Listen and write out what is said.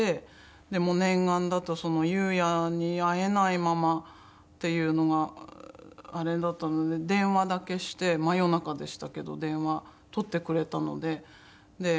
念願だった裕也に会えないままっていうのがあれだったので電話だけして真夜中でしたけど電話取ってくれたので。